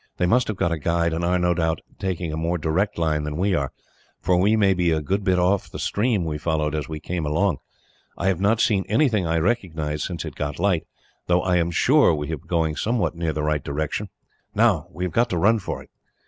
They must have got a guide, and are, no doubt, taking a more direct line than we are, for we may be a good bit off the stream we followed as we came along. I have not seen anything I recognise, since it got light, though I am sure we have been going somewhere near the right direction. Now, we have got to run for it."